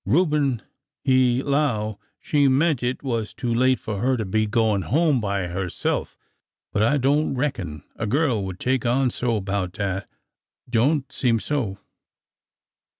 Reuben he 'low maybe she meant it was too late for her to be goin' home by herself ; but I don't reckon a gyurl would take on so 'bout dat ! Don't seem so."